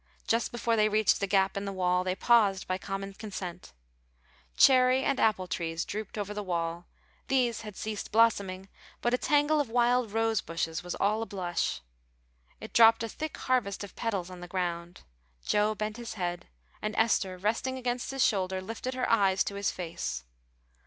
Just before they reached the gap in the wall, they paused by common consent. Cherry and apple trees drooped over the wall; these had ceased blossoming, but a tangle of wild rose bushes was all ablush. It dropped a thick harvest of petals on the ground. Joe bent his head; and Esther, resting against his shoulder, lifted her eyes to his face.